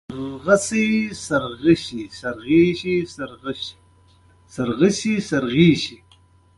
غول د ملګرو پټ شکایت دی.